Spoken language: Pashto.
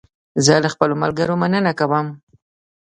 زه له خپلو ملګرو مننه کوم.